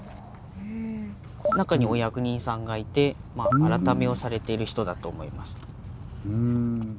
中にお役人さんがいて改めをされている人だと思います。